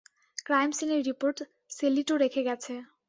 Crime সিনের report Sellitto রেখে গেছে।